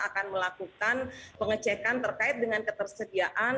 akan melakukan pengecekan terkait dengan ketersediaan